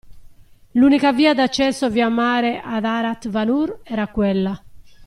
L'unica via d'accesso via mare ad Arat Vanur era quella.